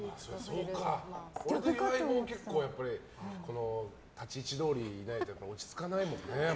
俺と岩井も結構、立ち位置どおりにいないと落ち着かないもんね。